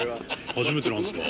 初めてなんですか？